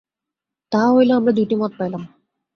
তাহা হইলে আমরা দুইটি মত পাইলাম।